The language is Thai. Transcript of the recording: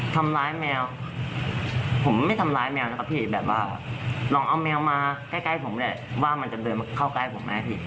ทำร้ายแมวผมไม่ทำร้ายแมวนะครับพี่แบบว่าลองเอาแมวมาใกล้ผมแหละว่ามันจะเดินมาเข้าใกล้ผมไหมพี่